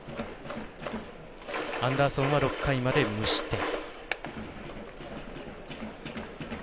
アンダーソンは６回まで無失点。